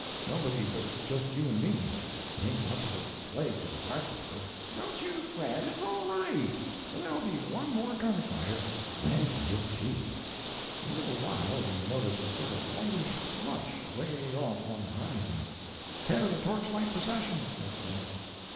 Nobody but just you and me—it ain't much of a display for the barkeeper." "Don't you fret, it's all right. There'll be one more gun fire—then you'll see." In a little while we noticed a sort of a lightish flush, away off on the horizon. "Head of the torchlight procession," says Sandy.